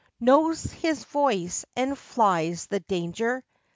— Knows his voice and flies the danger!